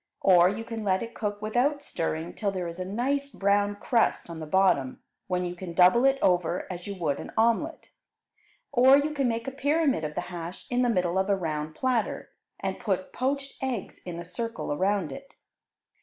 Or you can let it cook without stirring till there is a nice brown crust on the bottom, when you can double it over as you would an omelette. Or you can make a pyramid of the hash in the middle of a round platter, and put poached eggs in a circle around it.